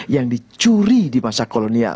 yang dicuri di masa kolonial